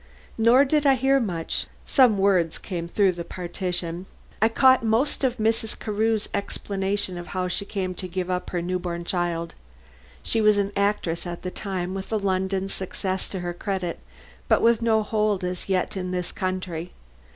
Nor did I hear much. Some words came through the partition. I caught most of Mrs. Carew's explanation of how she came to give up her new born child. She was an actress at the time with a London success to her credit, but with no hold as yet in this country.